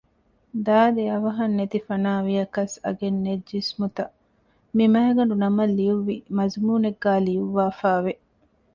ދާދި އަވަހަށް ނެތިފަނާވިޔަކަސް އަގެއްނެތް ޖިސްމުތައް މި މައިގަނޑުނަމަށް ލިޔުއްވި މަޒުމޫނެއްގައި ލިޔުއްވާފައިވެ